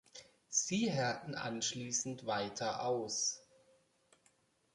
Sie härten anschließend weiter aus.